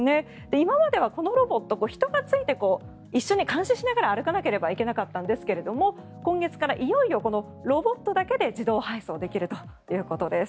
今まではこのロボット人がついて一緒に監視しながら歩かなければいけなかったんですが今月からいよいよロボットだけで自動配送できるということです。